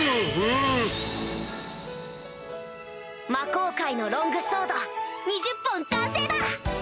魔鋼塊のロングソード２０本完成だ！